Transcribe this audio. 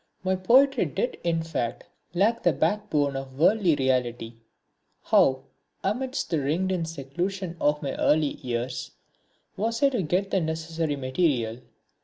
My poetry did in fact lack the backbone of worldly reality. How, amidst the ringed in seclusion of my early years, was I to get the necessary material?